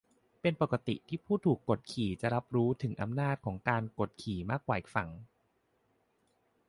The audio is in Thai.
เป็นปกติที่ผู้ถูกกดขี่จะรับรู้ถึงอำนาจของการกดขี่มากกว่าอีกฝั่ง